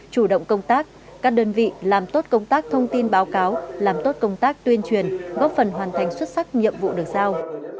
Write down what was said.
chủ động công tác các đơn vị làm tốt công tác thông tin báo cáo làm tốt công tác tuyên truyền góp phần hoàn thành xuất sắc nhiệm vụ được giao